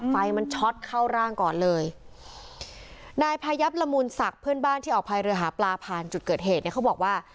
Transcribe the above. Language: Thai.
ไฟมันช็อตเข้าร่างก่อนเลยนายพายับละมูลศักดิ์เพื่อนบ้านที่ออกพายเรือหาปลาผ่านจุดเกิดเหตุเนี่ยเขาบอกว่า